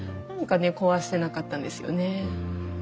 何かね壊せなかったんですよねえ。